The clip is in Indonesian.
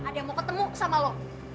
ada yang mau ketemu sama lo